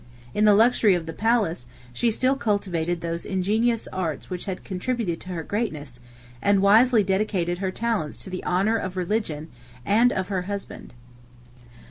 In the luxury of the palace, she still cultivated those ingenuous arts which had contributed to her greatness; and wisely dedicated her talents to the honor of religion, and of her husband.